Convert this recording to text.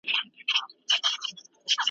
یوې لمبې به سوځولی یمه .